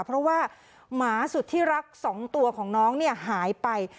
เพราะว่าหมาสุดที่รัก๒ตัวของน้องเนี่ยหายไป